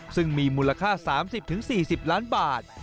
ซึ่งมีมูลค่า๓๐๔๐ล้านบาท